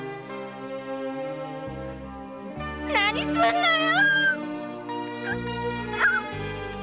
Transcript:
何すんのよ！